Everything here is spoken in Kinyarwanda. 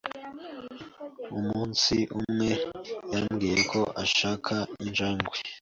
Umunsi umwe, yambwiye ko ashaka injangwe.